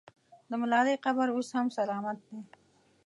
د ملالۍ قبر اوس هم سلامت دی.